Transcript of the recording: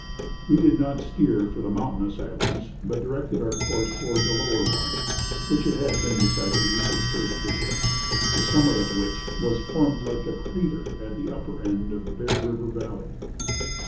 "We did not steer for the mountainous islands, but directed our course towards a lower one, which it had been decided we should first visit, the summit of which was formed like the crater at the upper end of Bear River valley.